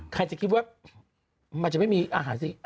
ใครจะคิดว่ามันจะไม่มีอาหารสิ